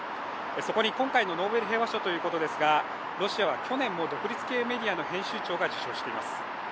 そこに今回のノーベル平和賞ということですがロシアは去年も独立系メディアの編集長が受賞しています。